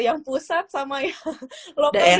yang pusat sama yang lokasinya